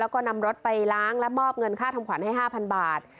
ก็นำรถไปล้างแล้วมอบเงินค่าทำขวัญให้ห้าพันบาท